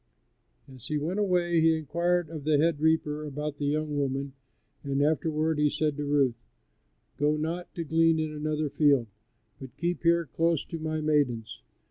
As he went away he inquired of the head reaper about the young woman, and afterward he said to Ruth: "Go not to glean in another field, but keep here close to my maidens."